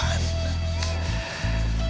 dan tuhan itu mau mencari